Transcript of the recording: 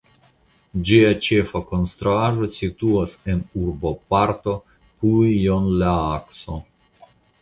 Ĝia ĉefa konstruaĵo situas en urboparto Puijonlaakso.